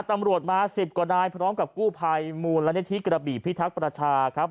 ตำรวจมา๑๐กว่านายพร้อมกับกู้ภัยมูลนิธิกระบี่พิทักษ์ประชาครับ